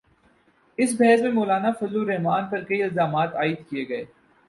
اس بحث میں مولانافضل الرحمن پر کئی الزامات عائد کئے گئے،